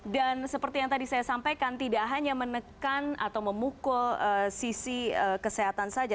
seperti yang tadi saya sampaikan tidak hanya menekan atau memukul sisi kesehatan saja